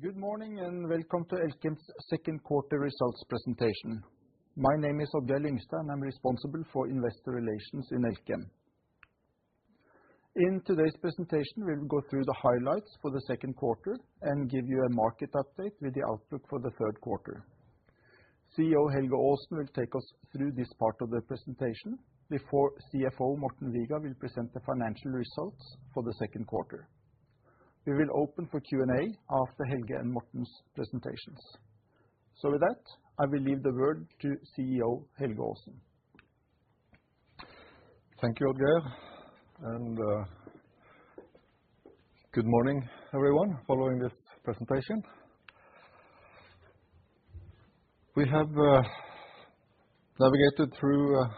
Good morning and welcome to Elkem's second quarter results presentation. My name is Odd-Geir Lyngstad, and I'm responsible for Investor Relations in Elkem. In today's presentation, we'll go through the highlights for the second quarter and give you a market update with the outlook for the third quarter. CEO Helge Aasen will take us through this part of the presentation before CFO Morten Viga will present the financial results for the second quarter. We will open for Q&A after Helge and Morten's presentations. With that, I will leave the word to CEO Helge Aasen. Thank you, Odd-Geir, and good morning, everyone, following this presentation. We have navigated through a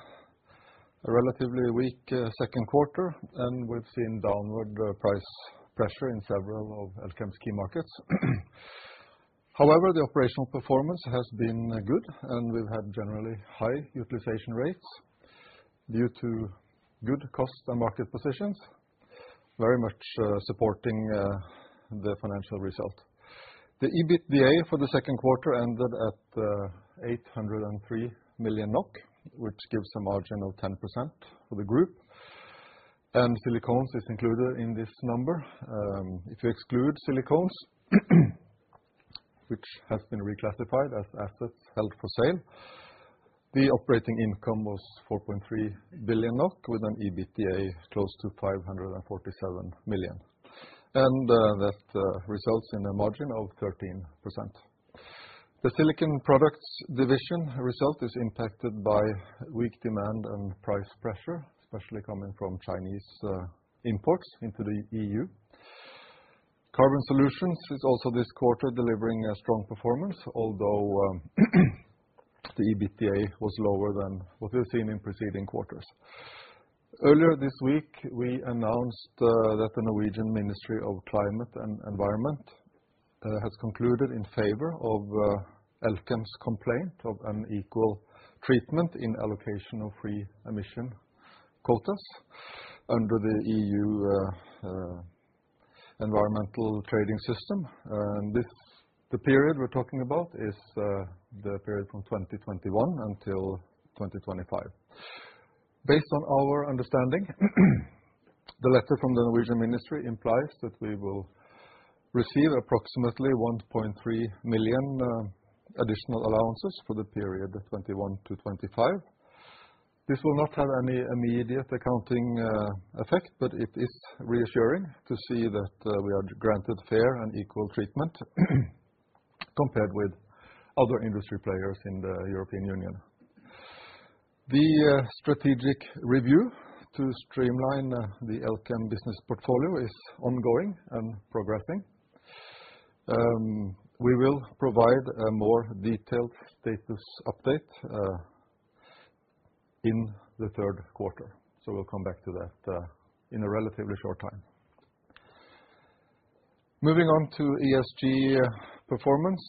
relatively weak second quarter, and we've seen downward price pressure in several of Elkem's key markets. However, the operational performance has been good, and we've had generally high utilization rates due to good cost and market positions, very much supporting the financial result. The EBITDA for the second quarter ended at 803 million NOK, which gives a margin of 10% for the group, and Silicones is included in this number. If you exclude Silicones, which has been reclassified as assets held for sale, the operating income was 4.3 billion NOK with an EBITDA close to 547 million. That results in a margin of 13%. The Silicon Products Division result is impacted by weak demand and price pressure, especially coming from Chinese imports into the EU. Carbon Solutions is also this quarter delivering a strong performance, although the EBITDA was lower than what we've seen in preceding quarters. Earlier this week, we announced that the Norwegian Ministry of Climate and Environment has concluded in favor of Elkem's complaint of unequal treatment in allocation of free emission quotas under the EU Environmental Trading System. The period we're talking about is the period from 2021 until 2025. Based on our understanding, the letter from the Norwegian Ministry implies that we will receive approximately 1.3 million additional allowances for the period 2021-2025. This will not have any immediate accounting effect, but it is reassuring to see that we are granted fair and equal treatment compared with other industry players in the European Union. The strategic review to streamline the Elkem business portfolio is ongoing and progressing. We will provide a more detailed status update in the third quarter. We'll come back to that in a relatively short time. Moving on to ESG performance,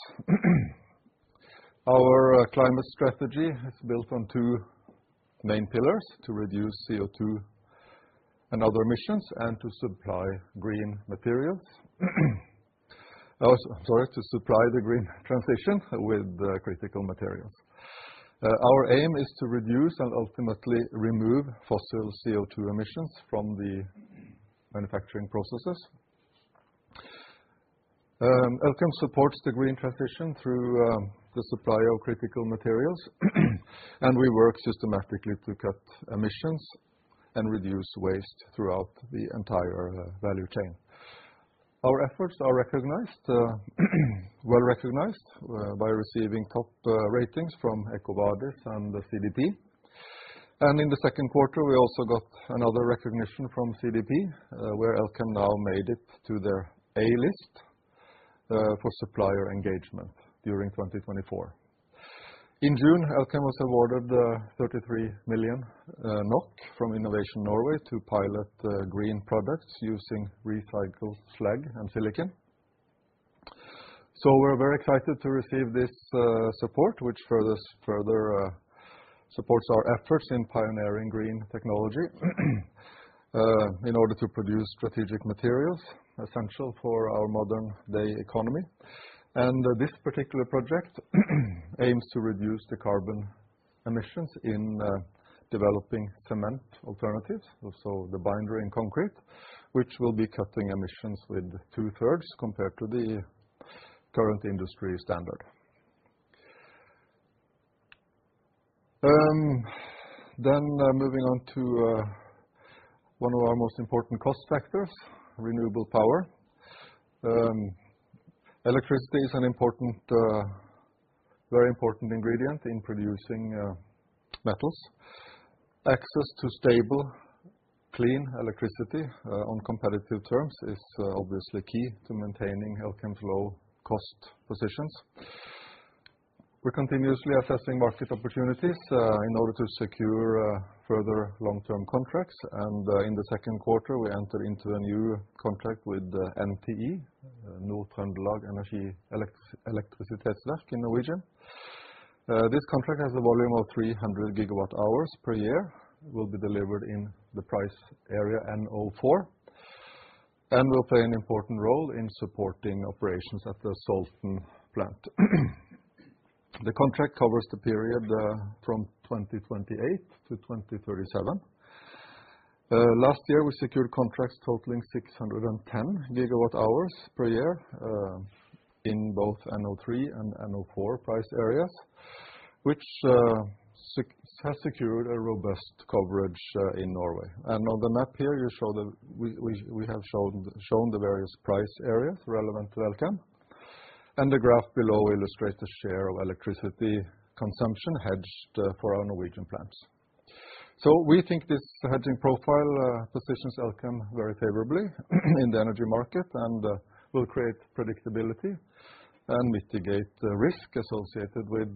our climate strategy is built on two main pillars: to reduce CO2 and other emissions, and to supply the green transition with critical materials. Our aim is to reduce and ultimately remove fossil CO2 emissions from the manufacturing processes. Elkem supports the green transition through the supply of critical materials, and we work systematically to cut emissions and reduce waste throughout the entire value chain. Our efforts are recognized, well recognized, by receiving top ratings from EcoVadis and the CDP. In the second quarter, we also got another recognition from CDP where Elkem now made it to their A-list for supplier engagement during 2024. In June, Elkem was awarded 33 million NOK from Innovation Norway to pilot green products using recycled slag and silicon. We are very excited to receive this support, which further supports our efforts in pioneering green technology in order to produce strategic materials essential for our modern-day economy. This particular project aims to reduce the carbon emissions in developing cement alternatives, so the binder in concrete, which will be cutting emissions by two-thirds compared to the current industry standard. Moving on to one of our most important cost factors, renewable power. Electricity is a very important ingredient in producing metals. Access to stable, clean electricity on competitive terms is obviously key to maintaining Elkem's low-cost positions. We are continuously assessing market opportunities in order to secure further long-term contracts. In the second quarter, we entered into a new contract with Nord-Trøndelag Elektrisitetsverk (NTE) in the region. This contract has a volume of 300 GWh per year, will be delivered in the price area NO4, and will play an important role in supporting operations at the Salten plant. The contract covers the period from 2028-2037. Last year, we secured contracts totaling 610 GWh per year in both NO3 and NO4 price areas, which has secured a robust coverage in Norway. On the map here, we have shown the various price areas relevant to Elkem. The graph below illustrates the share of electricity consumption hedged for our Norwegian plants. We think this hedging profile positions Elkem very favorably in the energy market and will create predictability and mitigate the risk associated with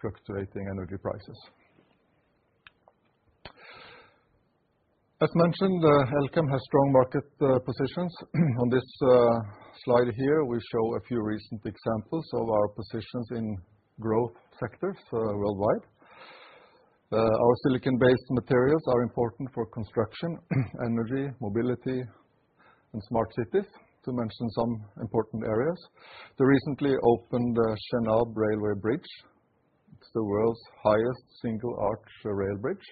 fluctuating energy prices. As mentioned, Elkem has strong market positions. On this slide here, we show a few recent examples of our positions in growth sectors worldwide. Our silicon-based materials are important for construction, energy, mobility, and smart cities, to mention some important areas. The recently opened Chenab railway bridge is the world's highest single-arch rail bridge.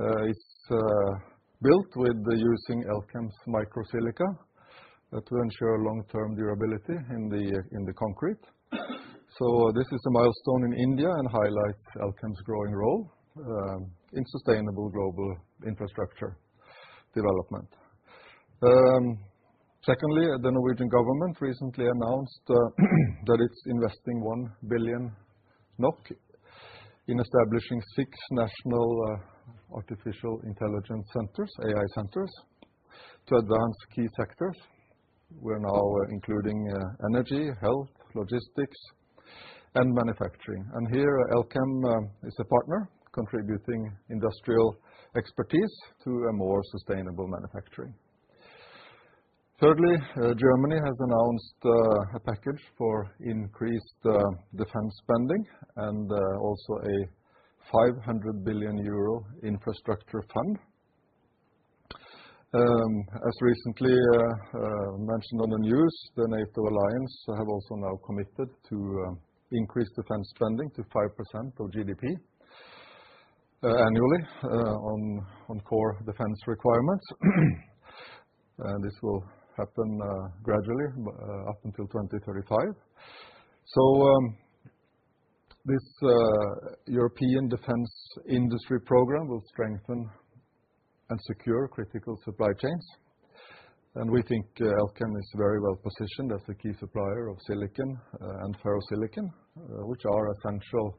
It is built using Elkem's micro-silica to ensure long-term durability in the concrete. This is a milestone in India and highlights Elkem's growing role in sustainable global infrastructure development. Secondly, the Norwegian government recently announced that it's investing 1 billion NOK in establishing six national artificial intelligence centers, AI centers, to advance key sectors. We're now including energy, health, logistics, and manufacturing. Here, Elkem is a partner contributing industrial expertise to a more sustainable manufacturing. Thirdly, Germany has announced a package for increased defense spending and also a 500 billion euro infrastructure fund. As recently mentioned on the news, the NATO alliance has also now committed to increase defense spending to 5% of GDP annually on core defense requirements. This will happen gradually up until 2035. This European defense industry program will strengthen and secure critical supply chains. We think Elkem is very well positioned as a key supplier of silicon and ferro-silicon, which are essential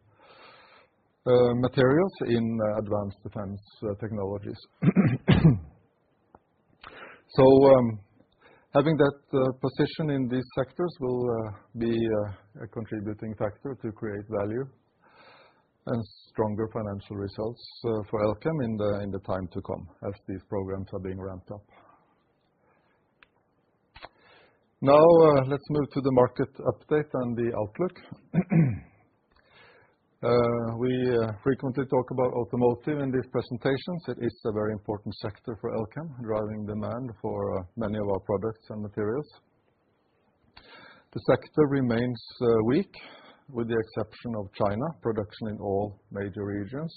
materials in advanced defense technologies. Having that position in these sectors will be a contributing factor to create value and stronger financial results for Elkem in the time to come as these programs are being ramped up. Now, let's move to the market update and the outlook. We frequently talk about automotive in these presentations. It is a very important sector for Elkem, driving demand for many of our products and materials. The sector remains weak with the exception of China. Production in all major regions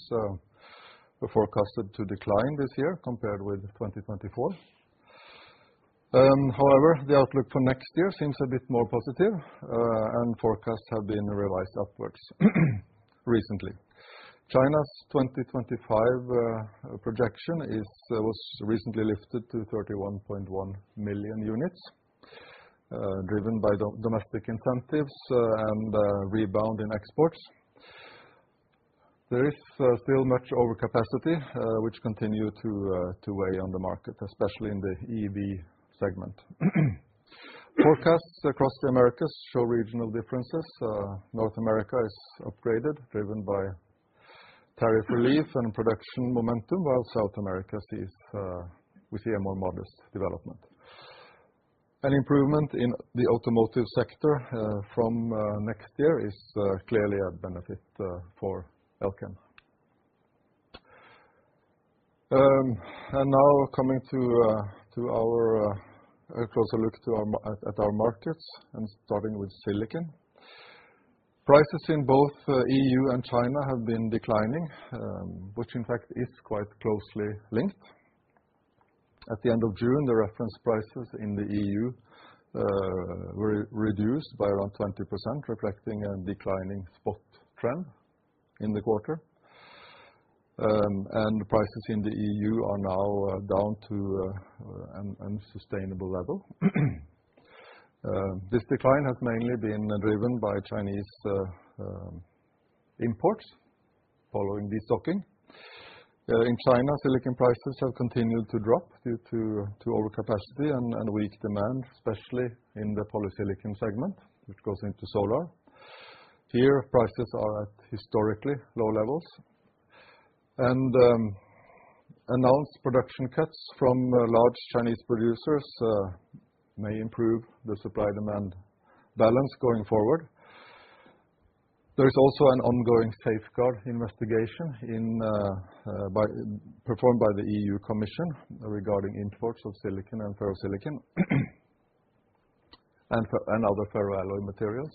is forecasted to decline this year compared with 2024. However, the outlook for next year seems a bit more positive, and forecasts have been revised upwards recently. China's 2025 projection was recently lifted to 31.1 million units, driven by domestic incentives and a rebound in exports. There is still much overcapacity, which continues to weigh on the market, especially in the EV segment. Forecasts across the Americas show regional differences. North America is upgraded, driven by tariff relief and production momentum, while South America sees a more modest development. An improvement in the automotive sector from next year is clearly a benefit for Elkem. Now coming to our closer look at our markets and starting with silicon. Prices in both the EU and China have been declining, which in fact is quite closely linked. At the end of June, the reference prices in the EU were reduced by around 20%, reflecting a declining spot trend in the quarter. The prices in the EU are now down to an unsustainable level. This decline has mainly been driven by Chinese imports following destocking. In China, silicon prices have continued to drop due to overcapacity and weak demand, especially in the polysilicon segment, which goes into solar. Here, prices are at historically low levels. Announced production cuts from large Chinese producers may improve the supply-demand balance going forward. There is also an ongoing safeguard investigation performed by the EU Commission regarding imports of silicon and ferro-silicon and other ferroalloy materials.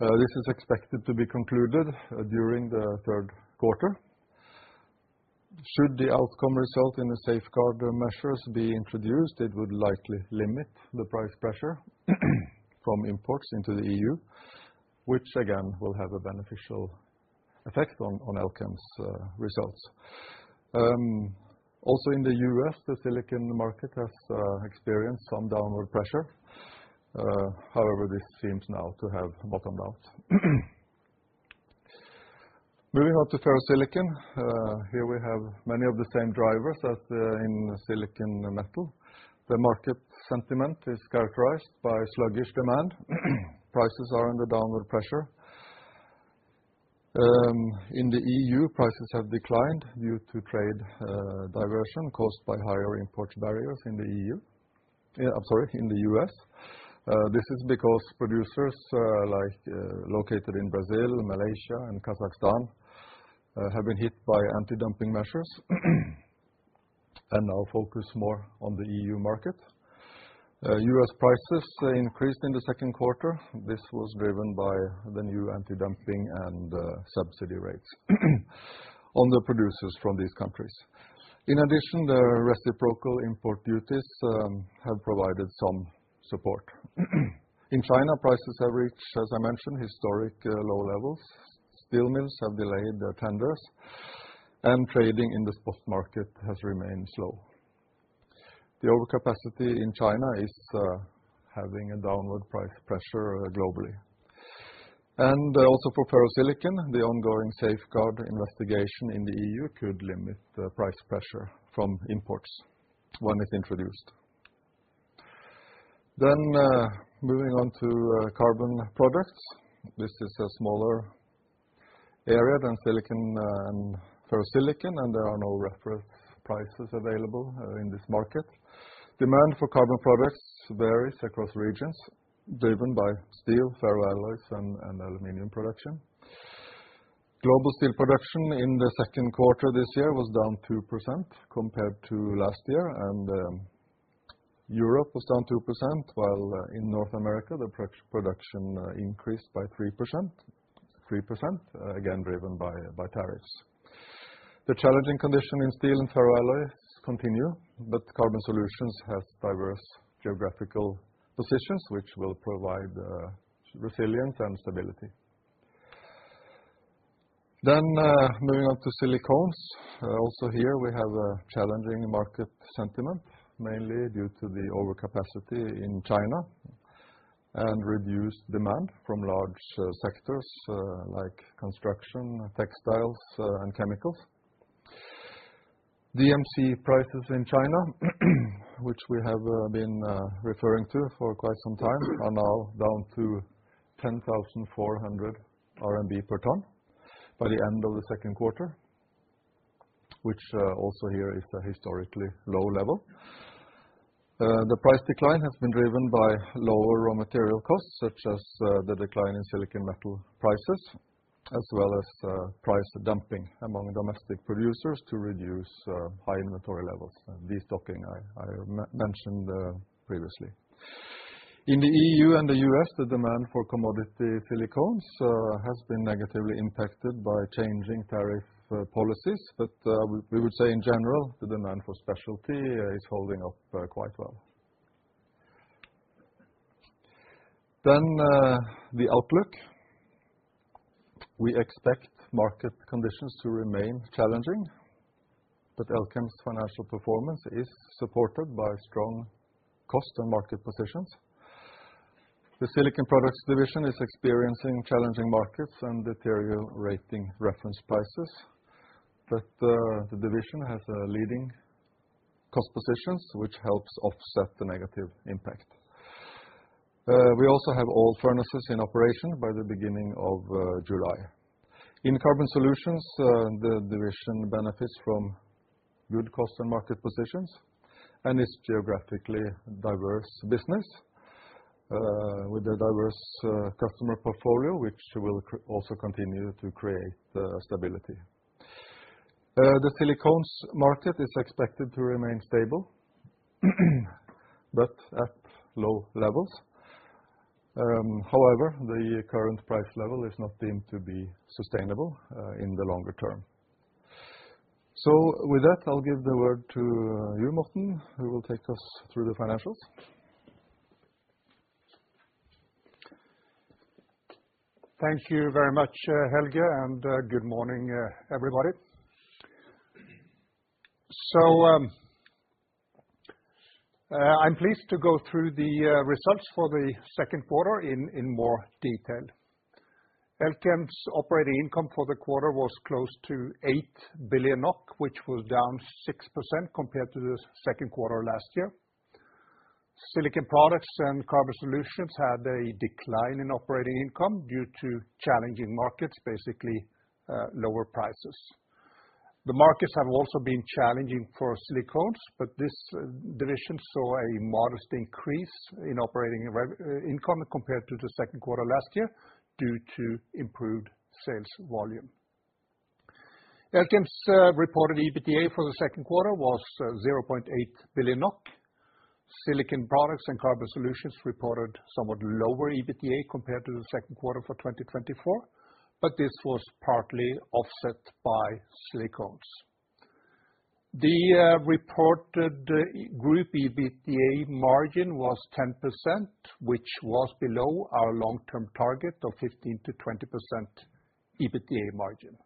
This is expected to be concluded during the third quarter. Should the outcome result in the safeguard measures being introduced, it would likely limit the price pressure from imports into the EU, which again will have a beneficial effect on Elkem's results. Also in the U.S., the silicon market has experienced some downward pressure. However, this seems now to have bottomed out. Moving on to ferro-silicon, here we have many of the same drivers as in silicon metal. The market sentiment is characterized by sluggish demand. Prices are under downward pressure. In the EU, prices have declined due to trade diversion caused by higher import barriers in the U.S. This is because producers located in Brazil, Malaysia, and Kazakhstan have been hit by anti-dumping measures and now focus more on the EU market. U.S. prices increased in the second quarter. This was driven by the new anti-dumping and subsidy rates on the producers from these countries. In addition, the reciprocal import duties have provided some support. In China, prices have reached, as I mentioned, historic low levels. Steel mills have delayed their tenders, and trading in the spot market has remained slow. The overcapacity in China is having a downward price pressure globally. Also for ferro-silicon, the ongoing safeguard investigation in the EU could limit the price pressure from imports when it's introduced. Moving on to carbon products, this is a smaller area than silicon and ferro-silicon, and there are no reference prices available in this market. Demand for carbon products varies across regions, driven by steel, ferroalloys, and aluminum production. Global steel production in the second quarter this year was down 2% compared to last year, and Europe was down 2%, while in North America, the production increased by 3%, 3% again driven by tariffs. The challenging conditions in steel and ferroalloy continue, but Carbon Solutions has diverse geographical positions, which will provide resilience and stability. Moving on to Silicones, also here we have a challenging market sentiment, mainly due to the overcapacity in China and reduced demand from large sectors like construction, textiles, and chemicals. DMC prices in China, which we have been referring to for quite some time, are now down to 10,400 RMB per ton by the end of the second quarter, which also here is a historically low level. The price decline has been driven by lower raw material costs, such as the decline in silicon metal prices, as well as price dumping among domestic producers to reduce high inventory levels, destocking I mentioned previously. In the EU and the U.S., the demand for commodity Silicones has been negatively impacted by changing tariff policies. In general, the demand for specialty is holding up quite well. The outlook is that we expect market conditions to remain challenging, but Elkem's financial performance is supported by strong cost and market positions. The Silicon Products Division is experiencing challenging markets and deteriorating reference prices, but the division has leading cost positions, which helps offset the negative impact. We also have all furnaces in operation by the beginning of July. In Carbon Solutions, the division benefits from good cost and market positions and is a geographically diverse business with a diverse customer portfolio, which will also continue to create stability. The Silicones market is expected to remain stable, but at low levels. However, the current price level is not deemed to be sustainable in the longer term. With that, I'll give the word to you, Morten, who will take us through the financials. Thank you very much, Helge, and good morning, everybody. I'm pleased to go through the results for the second quarter in more detail. Elkem's operating income for the quarter was close to 8 billion NOK, which was down 6% compared to the second quarter last year. Silicon Products and Carbon Solutions had a decline in operating income due to challenging markets, basically lower prices. The markets have also been challenging for Silicones, but this division saw a modest increase in operating income compared to the second quarter last year due to improved sales volume. Elkem's reported EBITDA for the second quarter was 0.8 billion NOK. Silicon Products and Carbon Solutions reported somewhat lower EBITDA compared to the second quarter for 2024, but this was partly offset by Silicones. The reported group EBITDA margin was 10%, which was below our long-term target of 15%-20% EBITDA margin.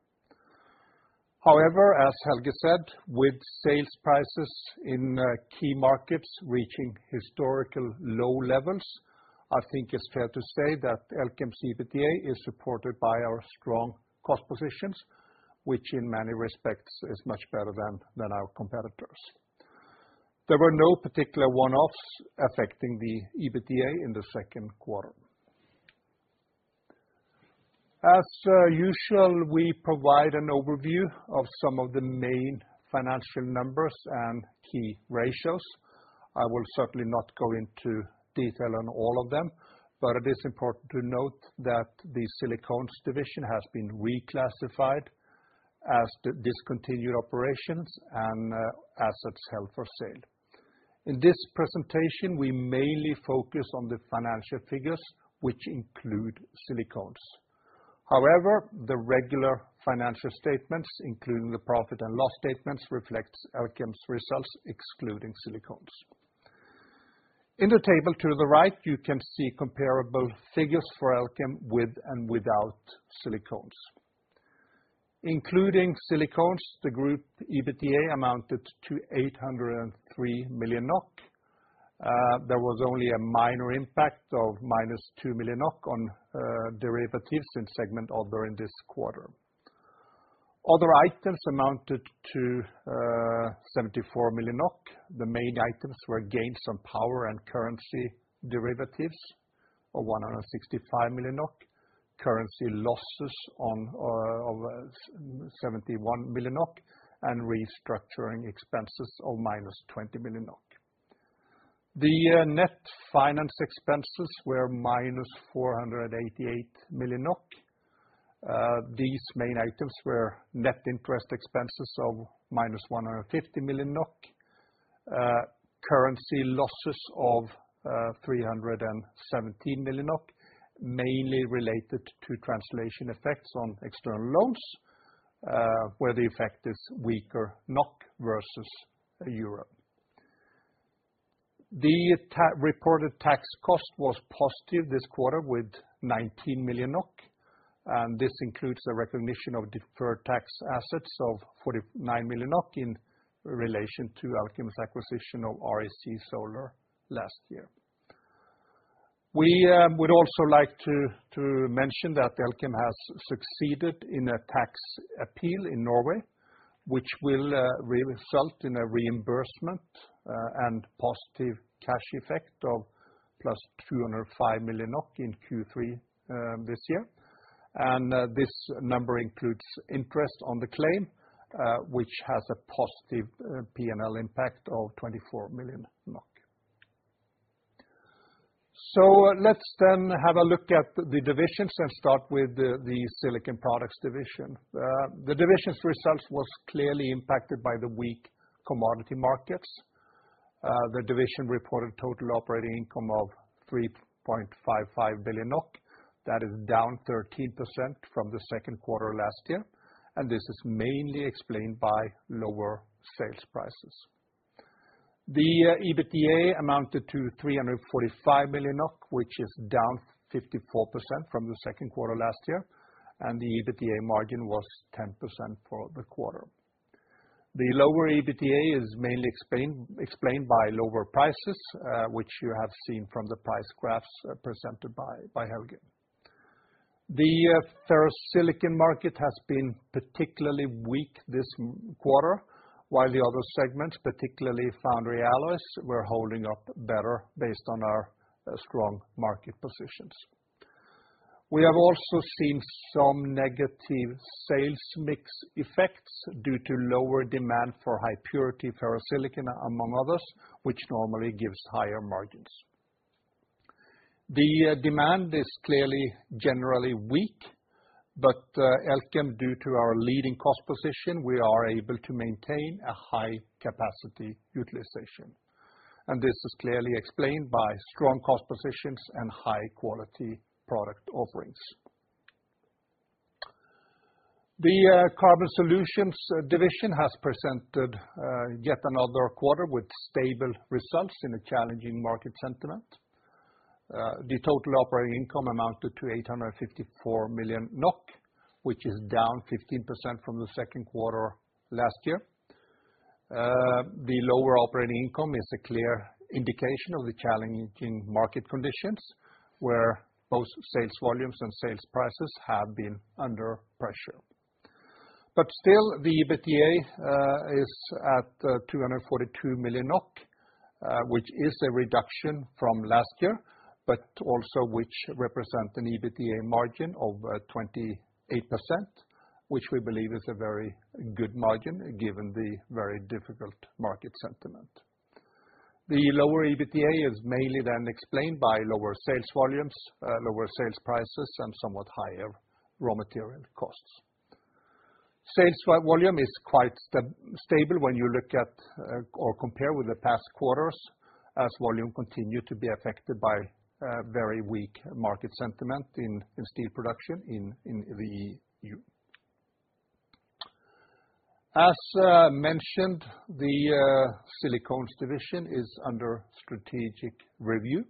However, as Helge said, with sales prices in key markets reaching historical low levels, I think it's fair to say that Elkem's EBITDA is supported by our strong cost positions, which in many respects is much better than our competitors. There were no particular one-offs affecting the EBITDA in the second quarter. As usual, we provide an overview of some of the main financial numbers and key ratios. I will certainly not go into detail on all of them, but it is important to note that the Silicones division has been reclassified as the discontinued operations and assets held for sale. In this presentation, we mainly focus on the financial figures, which include Silicones. However, the regular financial statements, including the profit and loss statements, reflect Elkem's results, excluding Silicones. In the table to the right, you can see comparable figures for Elkem with and without Silicones. Including Silicones, the group EBITDA amounted to 803 million NOK. There was only a minor impact of -2 million NOK on derivatives in segment other in this quarter. Other items amounted to 74 million NOK. The main items were gains on power and currency derivatives of 165 million NOK, currency losses of 71 million NOK, and restructuring expenses of -20 million NOK. The net finance expenses were -488 million NOK. These main items were net interest expenses of -150 million NOK, currency losses of 317 million NOK, mainly related to translation effects on external loans, where the effect is weaker NOK versus euro. The reported tax cost was positive this quarter with 19 million NOK, and this includes the recognition of deferred tax assets of 49 million NOK in relation to Elkem's acquisition of REC Solar last year. We would also like to mention that Elkem has succeeded in a tax appeal in Norway, which will result in a reimbursement and positive cash effect of +205 million NOK in Q3 this year. This number includes interest on the claim, which has a positive P&L impact of 24 million NOK. Let's then have a look at the divisions and start with the Silicon Products division. The division's results were clearly impacted by the weak commodity markets. The division reported total operating income of 3.55 billion NOK, which is down 13% from the second quarter last year, and this is mainly explained by lower sales prices. The EBITDA amounted to 345 million, which is down 54% from the second quarter last year, and the EBITDA margin was 10% for the quarter. The lower EBITDA is mainly explained by lower prices, which you have seen from the price graphs presented by Helge. The ferro-silicon market has been particularly weak this quarter, while the other segments, particularly foundry alloys, were holding up better based on our strong market positions. We have also seen some negative sales mix effects due to lower demand for high-purity ferro-silicon, among others, which normally gives higher margins. The demand is clearly generally weak, but Elkem, due to our leading cost position, we are able to maintain a high-capacity utilization. This is clearly explained by strong cost positions and high-quality product offerings. The Carbon Solutions division has presented yet another quarter with stable results in a challenging market sentiment. The total operating income amounted to 854 million NOK, which is down 15% from the second quarter last year. The lower operating income is a clear indication of the challenging market conditions, where both sales volumes and sales prices have been under pressure. Still, the EBITDA is at 242 million NOK, which is a reduction from last year, but also represents an EBITDA margin of 28%, which we believe is a very good margin given the very difficult market sentiment. The lower EBITDA is mainly then explained by lower sales volumes, lower sales prices, and somewhat higher raw material costs. Sales volume is quite stable when you look at or compare with the past quarters, as volume continues to be affected by very weak market sentiment in steel production in the EU. As mentioned, the Silicones division is under strategic review.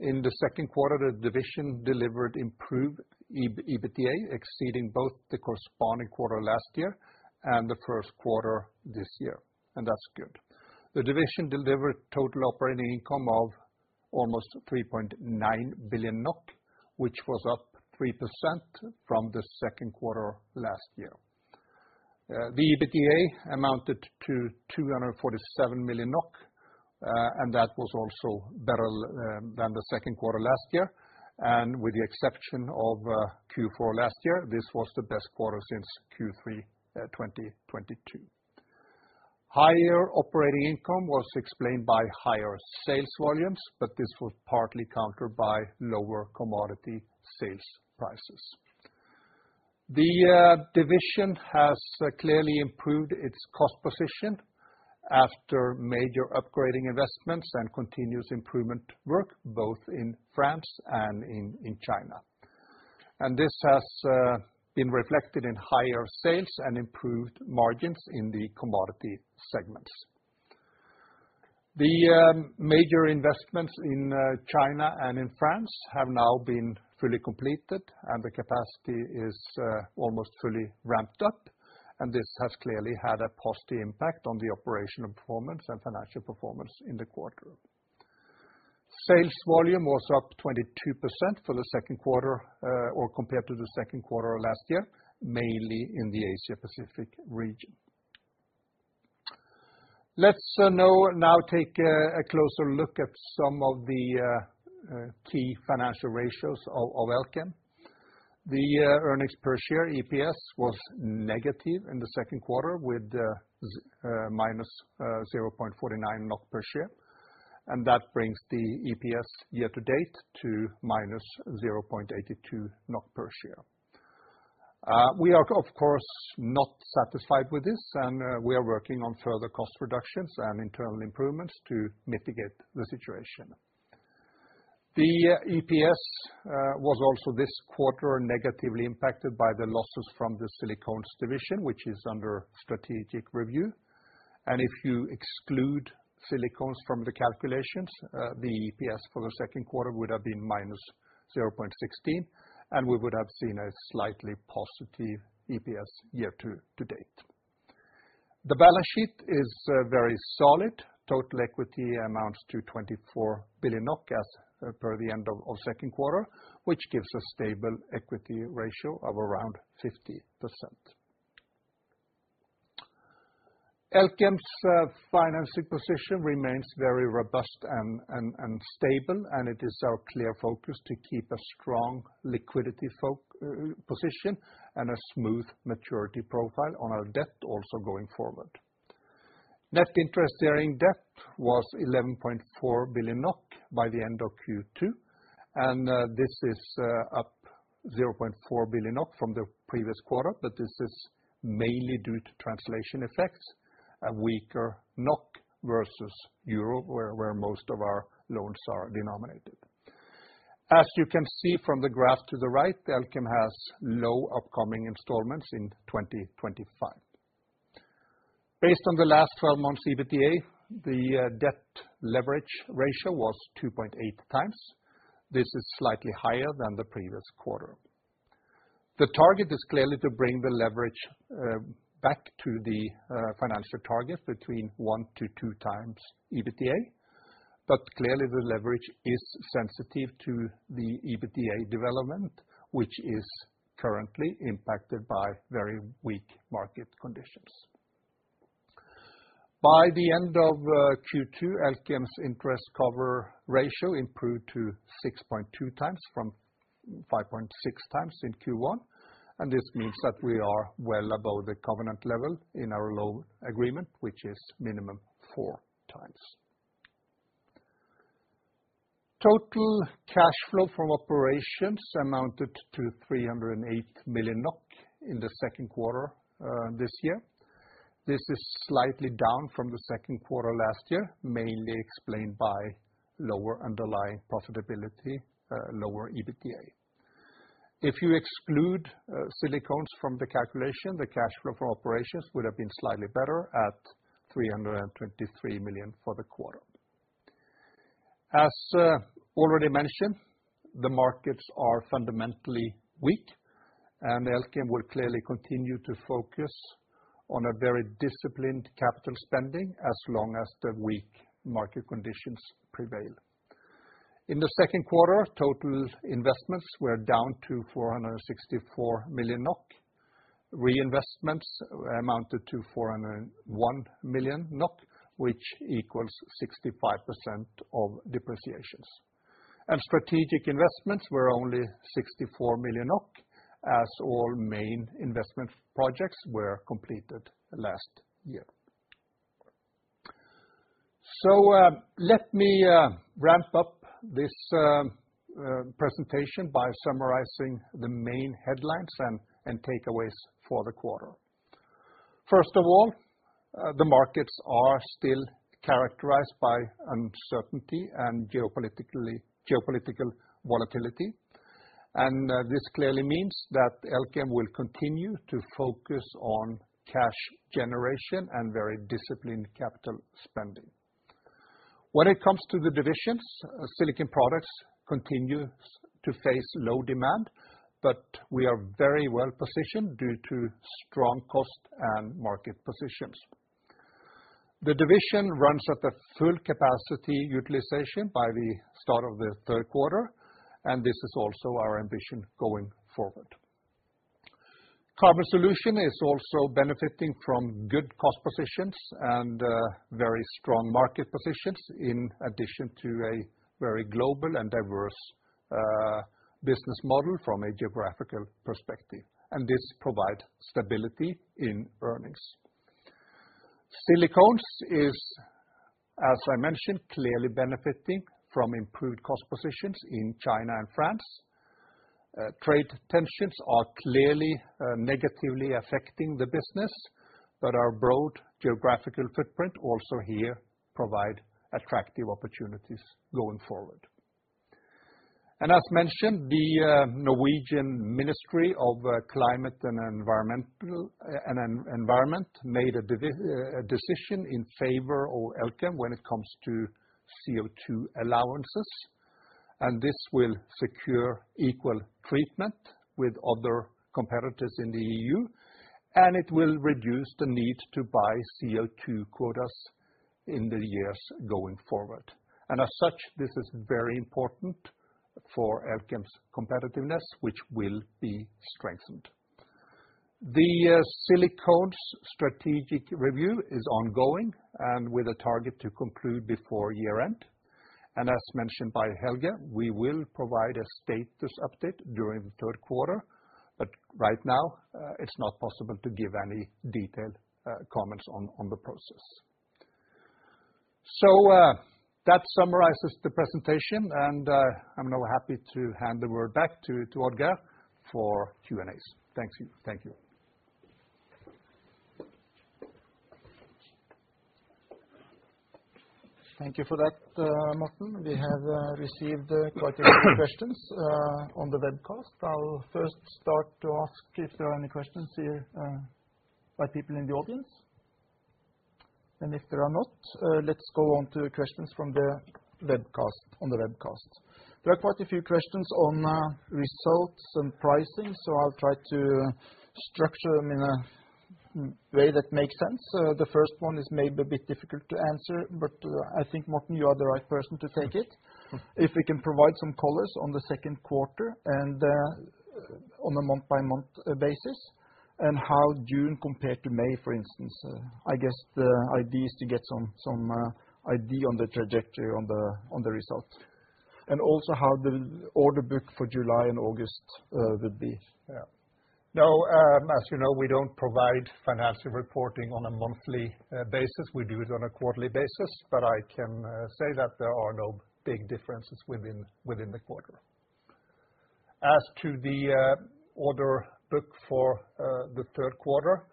In the second quarter, the division delivered improved EBITDA exceeding both the corresponding quarter last year and the first quarter this year, and that's good. The division delivered total operating income of almost 3.9 billion NOK, which was up 3% from the second quarter last year. The EBITDA amounted to 247 million NOK, and that was also better than the second quarter last year. With the exception of Q4 last year, this was the best quarter since Q3 2022. Higher operating income was explained by higher sales volumes, but this was partly countered by lower commodity sales prices. The division has clearly improved its cost position after major upgrading investments and continuous improvement work, both in France and in China. This has been reflected in higher sales and improved margins in the commodity segments. The major investments in China and in France have now been fully completed, and the capacity is almost fully ramped up. This has clearly had a positive impact on the operational performance and financial performance in the quarter. Sales volume was up 22% for the second quarter compared to the second quarter last year, mainly in the Asia-Pacific region. Let's now take a closer look at some of the key financial ratios of Elkem. The earnings per share (EPS) was negative in the second quarter with -0.49 NOK per share, and that brings the EPS year-to-date to -0.82 NOK per share. We are, of course, not satisfied with this, and we are working on further cost reductions and internal improvements to mitigate the situation. The EPS was also this quarter negatively impacted by the losses from the Silicones division, which is under strategic review. If you exclude Silicones from the calculations, the EPS for the second quarter would have been -0.16, and we would have seen a slightly positive EPS year-to-date. The balance sheet is very solid. Total equity amounts to 24 billion NOK as per the end of the second quarter, which gives a stable equity ratio of around 50%. Elkem's financing position remains very robust and stable, and it is our clear focus to keep a strong liquidity position and a smooth maturity profile on our debt also going forward. Net interest during debt was 11.4 billion NOK by the end of Q2, and this is up 0.4 billion NOK from the previous quarter, but this is mainly due to translation effects, a weaker NOK versus euro, where most of our loans are denominated. As you can see from the graph to the right, Elkem has low upcoming installments in 2025. Based on the last 12 months' EBITDA, the debt leverage ratio was 2.8x. This is slightly higher than the previous quarter. The target is clearly to bring the leverage back to the financial target between 1x-2x EBITDA, but clearly the leverage is sensitive to the EBITDA development, which is currently impacted by very weak market conditions. By the end of Q2, Elkem's interest cover ratio improved to 6.2x from 5.6x in Q1, and this means that we are well above the covenant level in our loan agreement, which is minimum 4x. Total cash flow from operations amounted to 308 million NOK in the second quarter this year. This is slightly down from the second quarter last year, mainly explained by lower underlying profitability, lower EBITDA. If you exclude Silicones from the calculation, the cash flow for operations would have been slightly better at 323 million for the quarter. As already mentioned, the markets are fundamentally weak, and Elkem will clearly continue to focus on a very disciplined capital spending as long as the weak market conditions prevail. In the second quarter, total investments were down to 464 million NOK. Reinvestments amounted to 401 million NOK, which equals 65% of depreciations. Strategic investments were only 64 million NOK, as all main investment projects were completed last year. Let me ramp up this presentation by summarizing the main headlines and takeaways for the quarter. First of all, the markets are still characterized by uncertainty and geopolitical volatility, and this clearly means that Elkem will continue to focus on cash generation and very disciplined capital spending. When it comes to the divisions, Silicon Products continues to face low demand, but we are very well positioned due to strong cost and market positions. The division runs at the full capacity utilization by the start of the third quarter, and this is also our ambition going forward. Carbon Solutions is also benefiting from good cost positions and very strong market positions, in addition to a very global and diverse business model from a geographical perspective. This provides stability in earnings. Silicones is, as I mentioned, clearly benefiting from improved cost positions in China and France. Trade tensions are clearly negatively affecting the business, yet our broad geographical footprint also here provides attractive opportunities going forward. As mentioned, the Norwegian Ministry of Climate and Environment made a decision in favor of Elkem when it comes to CO2 allowances. This will secure equal treatment with other competitors in the EU, and it will reduce the need to buy CO2 quotas in the years going forward. As such, this is very important for Elkem's competitiveness, which will be strengthened. The Silicones strategic review is ongoing with a target to conclude before year-end. As mentioned by Helge, we will provide a status update during the third quarter, but right now, it's not possible to give any detailed comments on the process. That summarizes the presentation, and I'm now happy to hand the word back to Odd-Geir for Q&As. Thank you. Thank you for that, Morten. We have received quite a few questions on the webcast. I'll first start to ask if there are any questions here by people in the audience. If there are not, let's go on to questions from the webcast. There are quite a few questions on results and pricing, so I'll try to structure them in a way that makes sense. The first one is maybe a bit difficult to answer, but I think, Morten, you are the right person to take it. If we can provide some colors on the second quarter and on a month-by-month basis, and how June compared to May, for instance. I guess the idea is to get some idea on the trajectory on the results. Also how the order book for July and August would be. Yeah. Now, as you know, we don't provide financial reporting on a monthly basis. We do it on a quarterly basis, but I can say that there are no big differences within the quarter. As to the order book for the third quarter,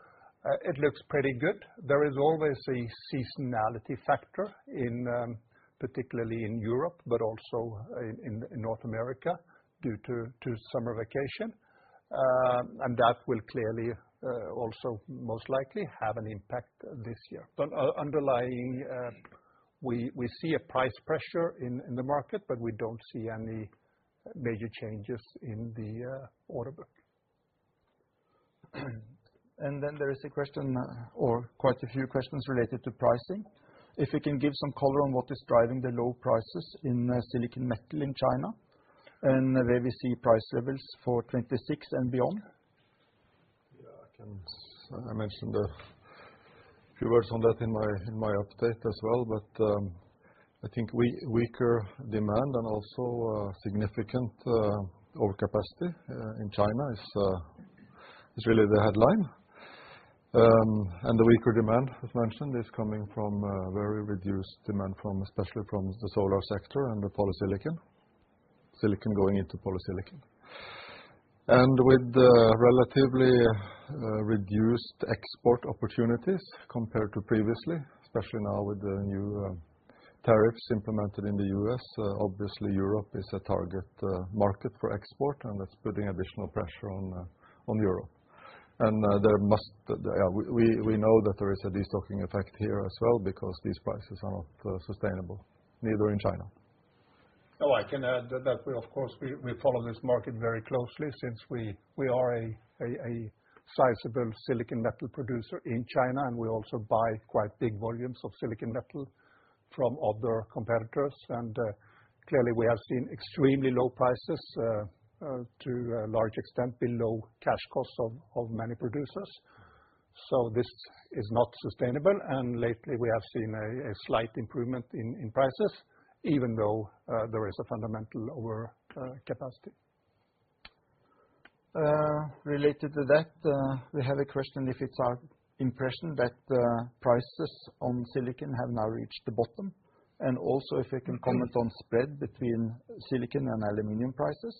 it looks pretty good. There is always a seasonality factor, particularly in Europe, but also in North America due to summer vacation. That will clearly also most likely have an impact this year. Underlying, we see a price pressure in the market, but we don't see any major changes in the order book. There is a question or quite a few questions related to pricing. If you can give some color on what is driving the low prices in silicon metal in China and where we see price levels for 2026 and beyond. Yeah. I mentioned a few words on that in my update as well, but I think weaker demand and also significant overcapacity in China is really the headline. The weaker demand, as mentioned, is coming from very reduced demand, especially from the solar sector and the polysilicon, silicon going into polysilicon. With relatively reduced export opportunities compared to previously, especially now with the new tariffs implemented in the U.S., obviously, Europe is a target market for export, and that's putting additional pressure on Europe. There must, yeah, we know that there is a destocking effect here as well because these prices are not sustainable, neither in China. I can add that, of course, we follow this market very closely since we are a sizable silicon metal producer in China, and we also buy quite big volumes of silicon metal from other competitors. Clearly, we have seen extremely low prices, to a large extent below cash costs of many producers. This is not sustainable. Lately, we have seen a slight improvement in prices, even though there is a fundamental overcapacity. Related to that, we have a question if it's our impression that prices on silicon have now reached the bottom, if we can comment on spread between silicon and aluminum prices,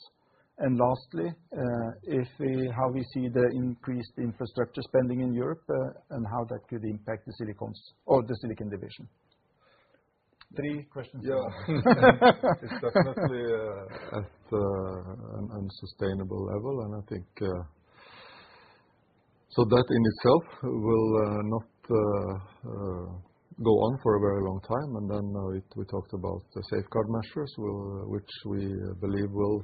and lastly, how we see the increased infrastructure spending in Europe and how that could impact the Silicones or the Silicon division. Three questions. Yeah. It's definitely at an unsustainable level, and I think that in itself will not go on for a very long time. We talked about the safeguard measures, which we believe will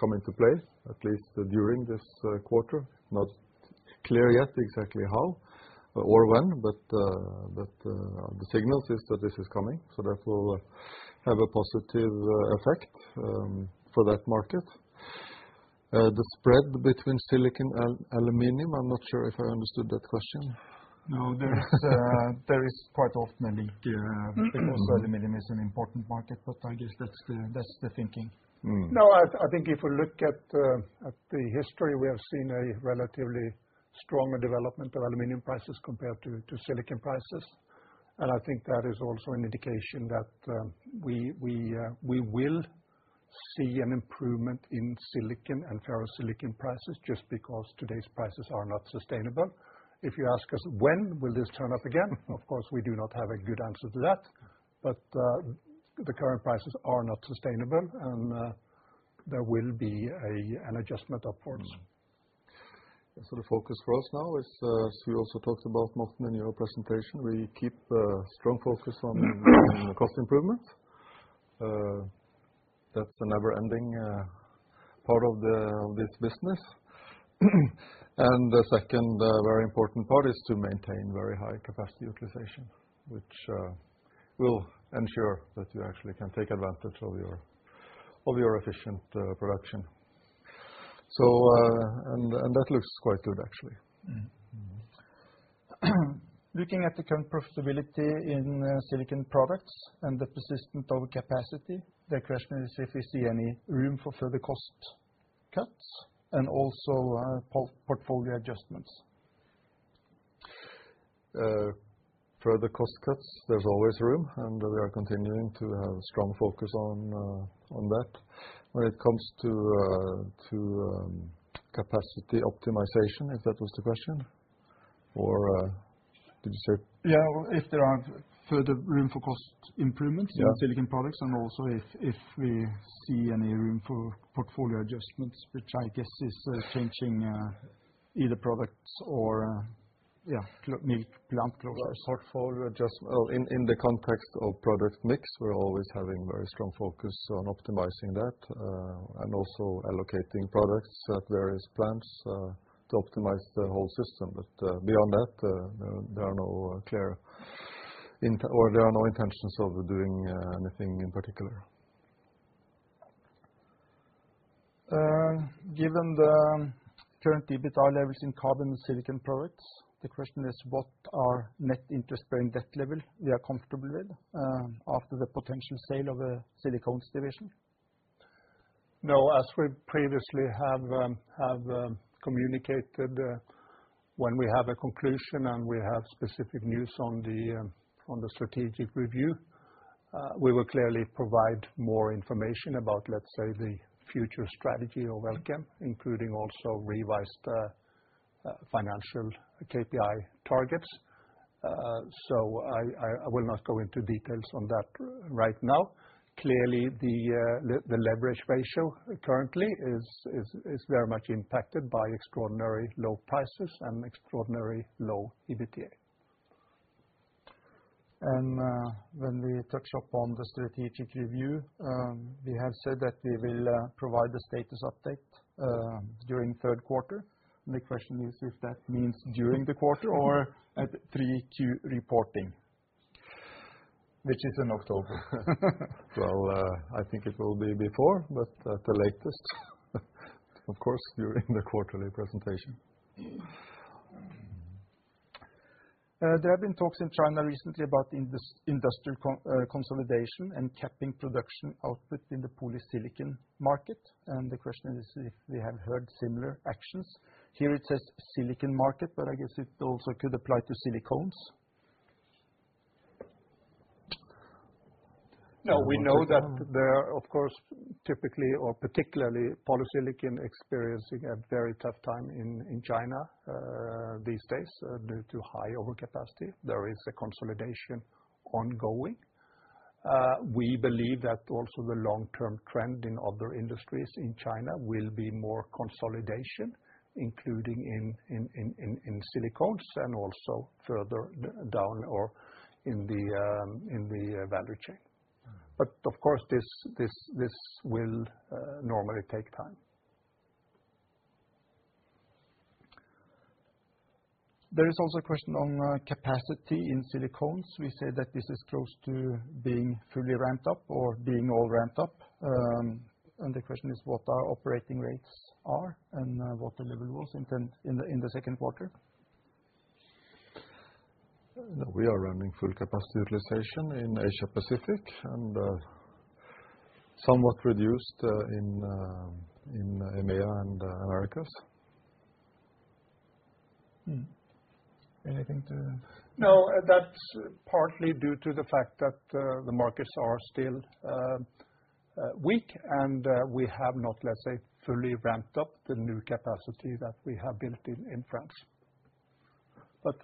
come into play, at least during this quarter. It's not clear yet exactly how or when, but the signal is that this is coming. That will have a positive effect for that market. The spread between silicon and aluminum, I'm not sure if I understood that question. No, there is quite often a link because aluminum is an important market, but I guess that's the thinking. No, I think if we look at the history, we have seen a relatively strong development of aluminum prices compared to silicon prices. I think that is also an indication that we will see an improvement in silicon and ferro-silicon prices just because today's prices are not sustainable. If you ask us when will this turn up again, of course, we do not have a good answer to that. The current prices are not sustainable, and there will be an adjustment upwards. The focus for us now is, as you also talked about, Morten, in your presentation, we keep a strong focus on cost improvement. That's a never-ending part of this business. The second very important part is to maintain very high capacity utilization, which will ensure that you actually can take advantage of your efficient production. That looks quite good, actually. Looking at the current profitability in Silicon Products and the persistent overcapacity, the question is if we see any room for further cost cuts and also portfolio adjustments. Further cost cuts, there's always room, and we are continuing to have a strong focus on that. When it comes to capacity optimization, if that was the question, or did you say? If there are further room for cost improvements in Silicon Products and also if we see any room for portfolio adjustments, which I guess is changing either products or, yeah, plant closure. Portfolio adjustment In the context of product mix, we're always having a very strong focus on optimizing that and also allocating products at various plants to optimize the whole system. Beyond that, there are no clear or there are no intentions of doing anything in particular. Given the current EBITDA levels in Carbon and Silicon Products, the question is what our net interest-bearing debt level we are comfortable with after the potential sale of the Silicones division? No, as we previously have communicated, when we have a conclusion and we have specific news on the strategic review, we will clearly provide more information about, let's say, the future strategy of Elkem, including also revised financial KPI targets. I will not go into details on that right now. Clearly, the leverage ratio currently is very much impacted by extraordinarily low prices and extraordinarily low EBITDA. When we touch upon the strategic review, we have said that we will provide the status update during the third quarter. The question is if that means during the quarter or at the pre-Q reporting, which is in October. I think it will be before, but at the latest, of course, during the quarterly presentation. There have been talks in China recently about industrial consolidation and capping production outputs in the polysilicon market. The question is if we have heard similar actions. Here it says silicon market, but I guess it also could apply to Silicones. No, we know that there, of course, typically or particularly polysilicon is experiencing a very tough time in China these days due to high overcapacity. There is a consolidation ongoing. We believe that also the long-term trend in other industries in China will be more consolidation, including in Silicones and also further down or in the value chain. This will normally take time. There is also a question on capacity in Silicones. We say that this is close to being fully ramped up or being all ramped up. The question is what our operating rates are and what the level was in the second quarter. We are running full capacity utilization in Asia-Pacific and somewhat reduced in EMEA and the Americas. Anything to? No, that's partly due to the fact that the markets are still weak and we have not, let's say, fully ramped up the new capacity that we have built in France.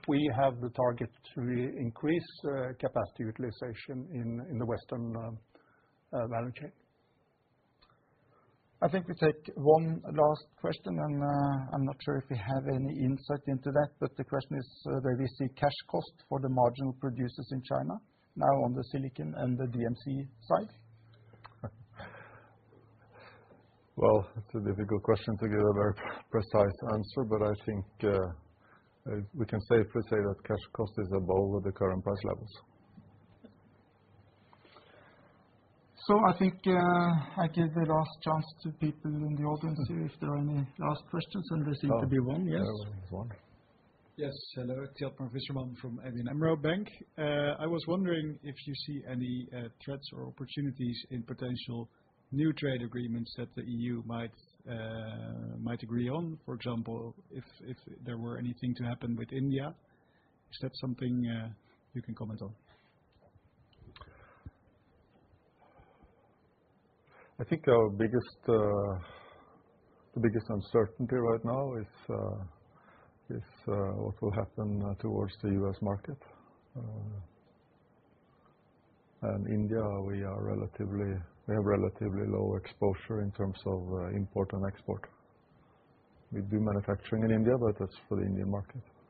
We have the target to increase capacity utilization in the Western value chain. I think we take one last question. I'm not sure if we have any insight into that, but the question is whether we see cash cost for the marginal producers in China now on the silicon and the DMC side. It's a difficult question to give a very precise answer, but I think we can safely say that cash cost is above the current price levels. I give the last chance to people in the audience here if there are any last questions. There seem to be one, yes. There is one. Yes, hello, it's [Jelkon Fischerman] from ABN AMRO Bank. I was wondering if you see any threats or opportunities in potential new trade agreements that the EU might agree on. For example, if there were anything to happen with India, is that something you can comment on? I think our biggest uncertainty right now is what will happen towards the U.S. market. India, we have relatively low exposure in terms of import and export. We do manufacturing in India, but that's for the Indian market.